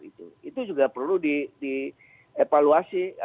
itu juga perlu dievaluasi